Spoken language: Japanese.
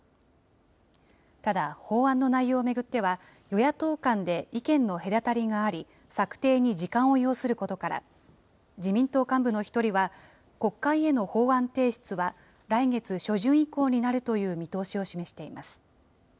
ただ、法案の内容を巡っては、与野党間で意見の隔たりがあり、策定に時間を要することから、自民党幹部の１人は、国会への法案提出は、来月初旬以降になるという見通しを示しています。